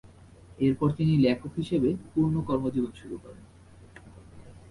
এরপর তিনি লেখক হিসেবে পূর্ণ কর্মজীবন শুরু করেন।